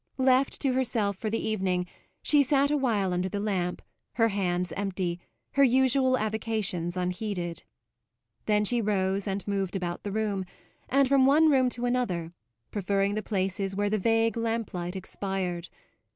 Left to herself for the evening she sat a while under the lamp, her hands empty, her usual avocations unheeded. Then she rose and moved about the room, and from one room to another, preferring the places where the vague lamplight expired.